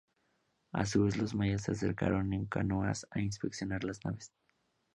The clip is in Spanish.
A su vez los mayas se acercaron en canoas a inspeccionar las naves.